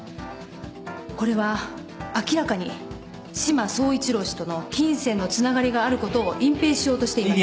これは明らかに志摩総一郎氏との金銭のつながりがあることを隠蔽しようとしています。